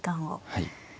はい。